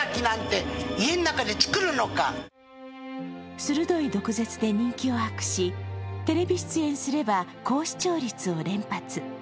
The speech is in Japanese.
鋭い毒舌で人気を博し、テレビ出演すれば高視聴率を連発。